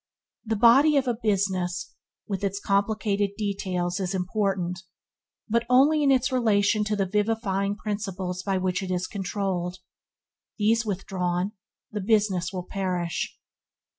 The body of a business, with all its complicated details is important, but only in its relation to the vivifying principles by which it is controlled. These withdrawn, the business will perish.